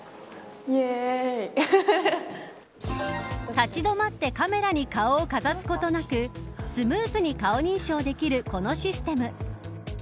立ち止まってカメラに顔をかざすことなくスムーズに顔認証できるこのシステム。